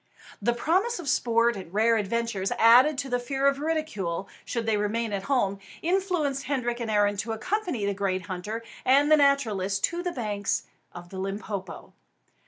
The promise of sport and rare adventures, added to the fear of ridicule should they remain at home, influenced Hendrik and Arend to accompany the great hunter and the naturalist to the banks of the Limpopo.